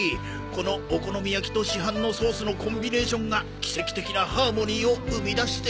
このお好み焼きと市販のソースのコンビネーションが奇跡的なハーモニーを生み出している。